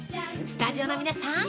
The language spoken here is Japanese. スタジオの皆さん